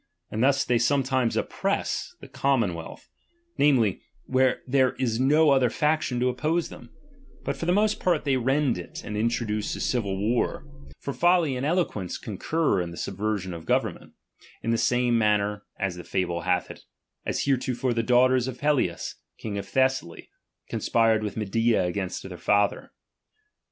How tiM (iA\ ^^^^'^^ ^^^y sometimes oppress the common urtiiecotnuioa wedth, namely^ where there is no other faction to ^'oppose them ; but for the most part they rend it, and introduce a civil war. Yov folly and eloquence concur in the subversion of government, in the same manner (as the fable hath it) as heretofore the daughters of Pelias, king of Thessaly, con spired with Medea against their father.